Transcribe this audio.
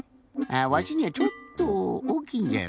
わしにはちょっとおおきいんじゃよ